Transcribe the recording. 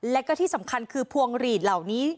และก็ที่สำคัญคือพวงหลีดเหล่านี้